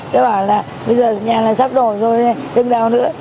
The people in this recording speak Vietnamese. tôi bảo là bây giờ nhà này sắp đổi rồi nên đừng đào nữa